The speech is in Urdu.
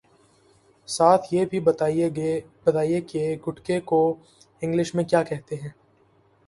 ساتھ یہ بھی بتائیے کہ گٹکے کو انگلش میں کیا کہتے ہیں